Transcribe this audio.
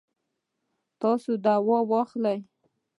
تاسو دوا واخلئ